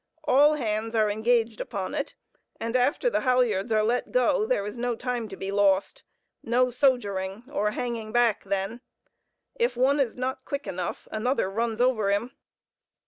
All hands are engaged upon it, and after the halyards are let go, there is no time to be lost—no "sogering," or hanging back, then. If one is not quick enough, another runs over him.